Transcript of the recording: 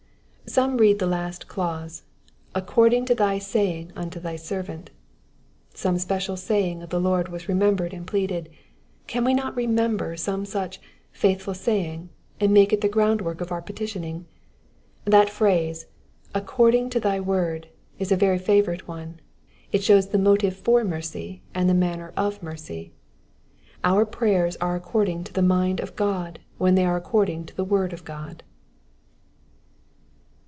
Some read the last clause, according to thy saying unto thy servant "; some special saying of the Lord was remembered and pleaded : can we not remember some such faithful saying," and make it the groundwork of our petitioning ? That phrase, "according to thy word," is a very favourite one; it shows the motive for mercy and the manner of mercy. Our prayers are according to the mind of God when they are according to the word of God.